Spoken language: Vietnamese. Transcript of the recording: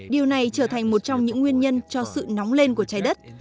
điều này trở thành một trong những nguyên nhân cho sự nóng lên của trái đất